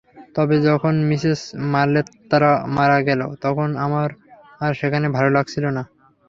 তবে যখন মিসেস মালোত্রা মারা গেল তখন আমার আর সেখানে ভালো লাগছিলো না।